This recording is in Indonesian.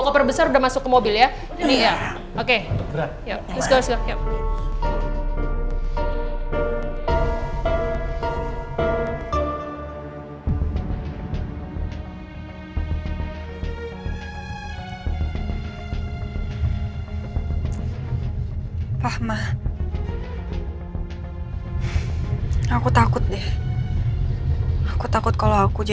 kopar besar udah ya